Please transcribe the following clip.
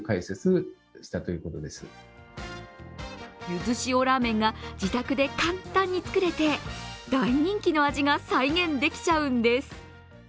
ゆず塩らめんが自宅で簡単に作れて大人気の味が再現できちゃうんです。